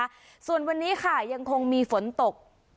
ไว้เป็นดีนะคะส่วนวันนี้ค่ะยังคงมีฝนตก